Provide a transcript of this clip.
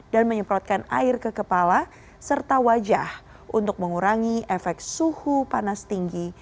dan menyemprotkan air ke kepala serta wajah untuk mengurangi efek suhu panas tinggi